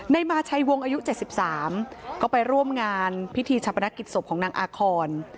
มาชัยวงอายุ๗๓ก็ไปร่วมงานพิธีชาปนักกิจศพของนางอาคอน